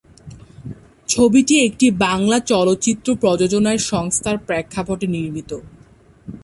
ছবিটি একটি বাংলা চলচ্চিত্র প্রযোজনা সংস্থার প্রেক্ষাপটে নির্মিত।